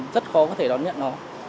rất khó có thể đón nhận